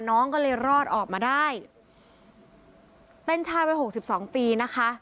น้องก็เลยรอดออกมาได้เป็นชายวัยหกสิบสองปีนะคะ